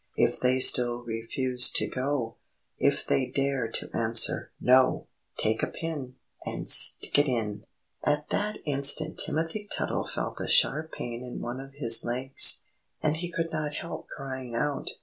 If they still Refuse to go, If they dare To answer, 'No!' Take a pin, And stick it in!_" At that instant Timothy Tuttle felt a sharp pain in one of his legs, and he could not help crying out.